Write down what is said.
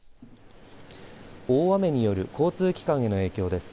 大雨による交通機関への影響です。